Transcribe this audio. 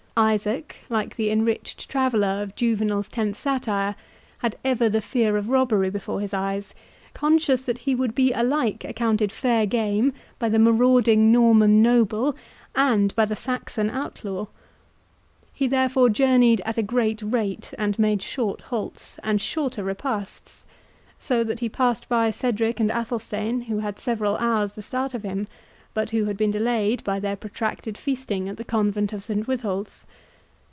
Isaac, like the enriched traveller of Juvenal's tenth satire, had ever the fear of robbery before his eyes, conscious that he would be alike accounted fair game by the marauding Norman noble, and by the Saxon outlaw. He therefore journeyed at a great rate, and made short halts, and shorter repasts, so that he passed by Cedric and Athelstane who had several hours the start of him, but who had been delayed by their protracted feasting at the convent of Saint Withold's.